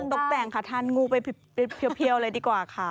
ตกแต่งค่ะทานงูไปเพียวเลยดีกว่าค่ะ